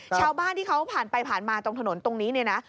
ชาวบ้านที่เขาผ่านไปผ่านมาตรงถนนตรงนี้เนี่ยนะ